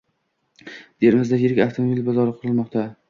Termizda yirik avtomobil bozori qurilmoqda